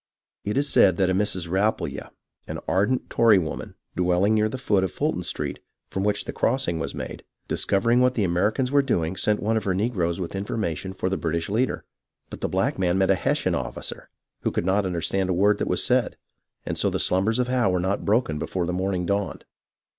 It is said that a Mrs. Rapelje, an ardent Tory woman, dwelHng near the foot of Fulton Street, from which the crossing was made, discovering what the Americans were doing, sent one of her negroes with the information for the British leader ; but the black man met a Hessian officer, who could not understand a word that was said, and so the slumbers of Howe were not broken before the morning dawned.